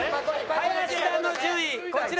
林田の順位こちら。